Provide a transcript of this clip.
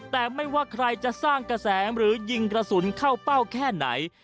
แต่ไม่ว่าใครจะสร้างกระแสหรือยิงกระสุนเข้าเป้าแค่ไหน